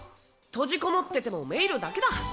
閉じこもってても滅入るだけだ。